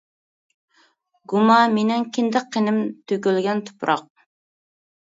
گۇما مىنىڭ كىندىك قىنىم تۆكۈلگەن تۇپراق.